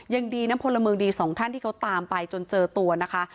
ยังดีนะพลเมืองดีสองท่านที่เขาตามไปจนเจอตัวนะคะ